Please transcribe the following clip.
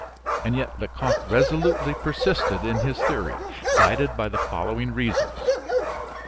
And yet Lecoq resolutely persisted in his theory, guided by the following reasons.